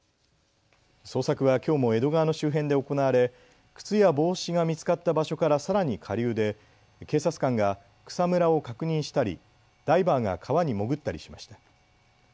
捜索はきょうも江戸川の周辺で行われ、靴や帽子が見つかった場所からさらに下流で警察官が草むらを確認したりダイバーが川に潜ったりしました。